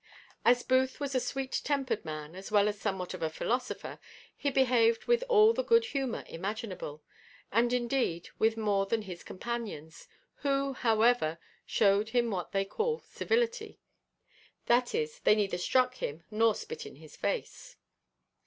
As Booth was a sweet tempered man, as well as somewhat of a philosopher, he behaved with all the good humour imaginable, and indeed, with more than his companions; who, however, shewed him what they call civility, that is, they neither struck him nor spit in his face.